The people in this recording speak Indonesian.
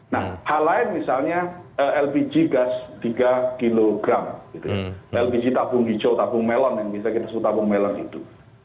nah hal lain misalnya lpg gas tiga kg lpg tabung hijau tabung melon yang bisa kita sebut tabung melon itu